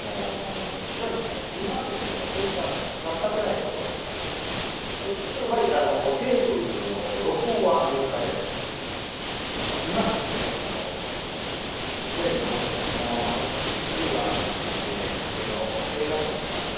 師匠んちの居間ですとかそういったざっかけないところなもんですからうちの師匠の場合テープの録音は許されるんですけれどもただ居間なんでねテレビの音声がそのまんま入ったりあるいは家庭の生活音ですかね